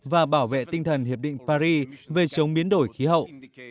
và bảo vệ tinh thần hiệp định paris về chống biến đổi khí hậu